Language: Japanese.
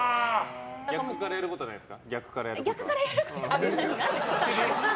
逆からやることはないです。